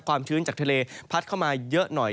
ชื้นจากทะเลพัดเข้ามาเยอะหน่อย